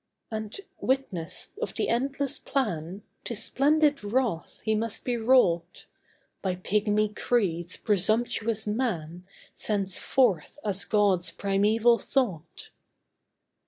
And, witness of the endless plan, To splendid wrath he must be wrought By pigmy creeds presumptuous man Sends forth as God's primeval thought.